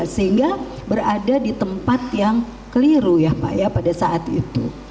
sehingga berada di tempat yang keliru ya pak ya pada saat itu